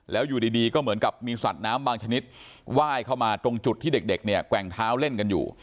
แล้วอยู่ดีก็เหมือนกับมีสัตว์น้ำบางชนิดไหว้เข้ามาตรงจุดที่เด็กเนี่ยแกว่งเท้าเล่นกันอยู่